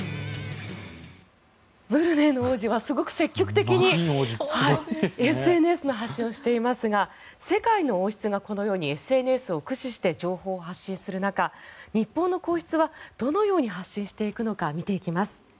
ブルネイの王子はすごく積極的にＳＮＳの発信をしていますが世界の王室がこのようにＳＮＳを駆使して情報発信する中、日本の皇室はどのように発信していくのか見ていきます。